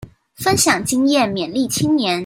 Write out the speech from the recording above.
分享經驗勉勵青年